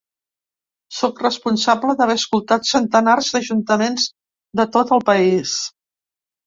Sóc responsable d’haver escoltat centenars d’ajuntaments de tot el país.